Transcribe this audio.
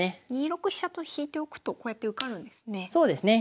２六飛車と引いておくとこうやって受かるんですね。